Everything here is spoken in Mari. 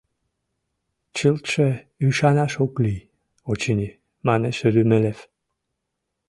— Чылтше ӱшанаш ок лий, очыни, — манеш Румелёв.